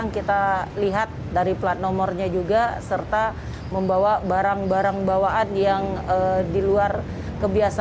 kita lihat dari plat nomornya juga serta membawa barang barang bawaan yang di luar kebiasaan